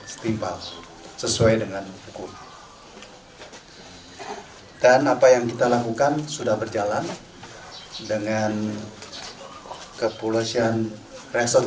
setimpal sesuai dengan hukum dan apa yang kita lakukan sudah berjalan dengan kepolisian resort